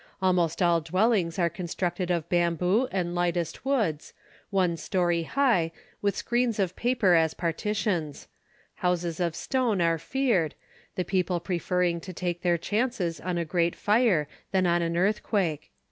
Almost all dwellings are constructed of bamboo and lightest woods, one story high, with screens of paper as partitions: houses of stone are feared, the people preferring to take their chances on a great fire than on an earthquake.